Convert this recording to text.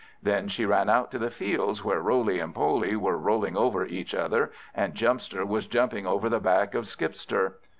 Then she ran out to the fields, where Roley and Poley were rolling over each other, and Jumpster was jumping over the back of Skipster.